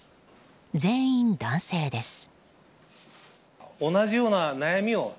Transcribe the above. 全員、男性です。